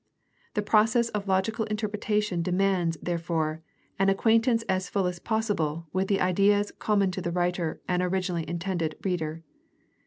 The process of logical interpretation demands, therefore, an acquaintance as full as possible with the ideas common to the writer and originally intended reader.